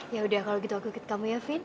yaudah kalau gitu aku kekit kamu ya vin